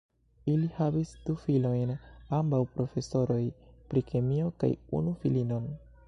Ili havis du filojn, ambaŭ profesoroj pri kemio, kaj unu filinon.